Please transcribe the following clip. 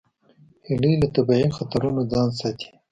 هیلۍ له طبیعي خطرونو ځان ساتي